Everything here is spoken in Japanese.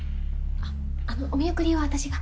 あっあのお見送りは私が。